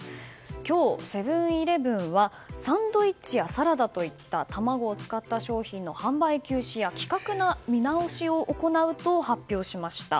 今日、セブン‐イレブンはサンドイッチやサラダといった卵を使った商品の販売休止や規格の見直しを行うと発表しました。